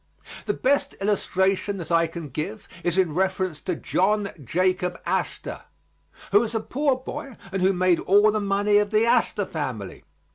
The best illustration that I can give is in reference to John Jacob Astor, who was a poor boy and who made all the money of the Astor family.